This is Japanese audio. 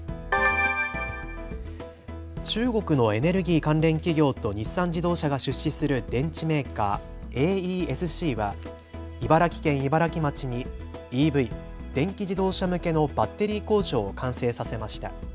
中国のエネルギー関連企業と日産自動車が出資する電池メーカー、ＡＥＳＣは茨城県茨城町にＥＶ・電気自動車向けのバッテリー工場を完成させました。